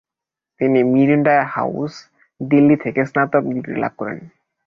তিনি Miranda House, Delhi থেকে স্নাতক ডিগ্রি লাভ করেন।